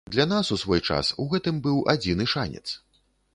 Для нас у свой час у гэтым быў адзіны шанец.